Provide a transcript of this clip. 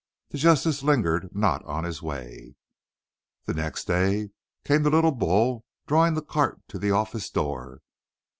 The Justice lingered not on his way. The next day came the little red bull, drawing the cart to the office door.